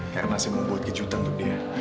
karena saya masih mau buat kejutan untuk dia